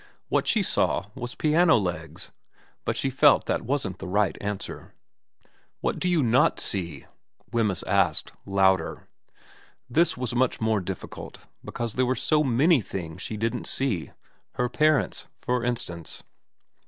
What she saw was piano legs, but she felt that wasn't the right answer. ' What do you not see ?' Wemyss asked, louder. This was much more difficult, because there were so many things she didn't see ; her parents, for instance.